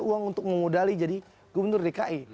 uang untuk mengodali jadi gubernur dki